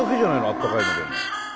あったかいのでも。